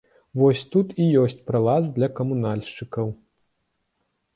Вось тут і ёсць пралаз для камунальшчыкаў.